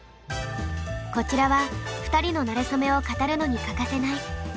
こちらは２人のなれそめを語るのに欠かせない「なれそメモ」。